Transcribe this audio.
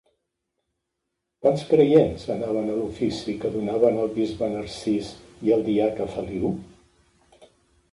Quants creients anaven a l'ofici que donaven el bisbe Narcís i el diaca Feliu?